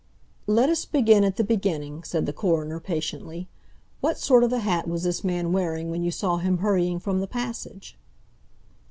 "Let us begin at the beginning," said the coroner patiently. "What sort of a hat was this man wearing when you saw him hurrying from the passage?"